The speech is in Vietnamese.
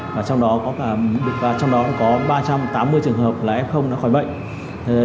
và trong đó có ba trăm tám mươi trường hợp là f khỏi bệnh